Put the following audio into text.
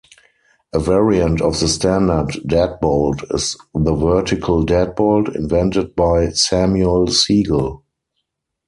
A variant of the standard deadbolt is the vertical deadbolt, invented by Samuel Segal.